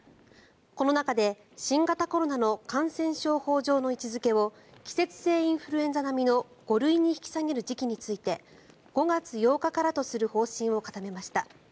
この中で、新型コロナの感染症法上の位置付けを季節性インフルエンザ並みの５類に引き下げる時期について５月８日からとする方針を固めました。